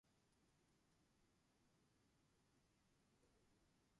He holds the title of Regents' Professor Emeritus from Arizona State University.